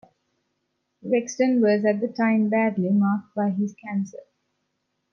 Reksten was at the time badly marked by his cancer.